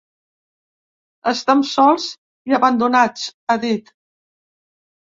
Estem sols i abandonats, ha dit.